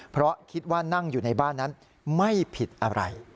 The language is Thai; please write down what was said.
เพราะคิดว่านั่งอยู่ในบ้านนั้นไม่ผิดอะไร